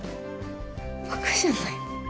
バカじゃないの？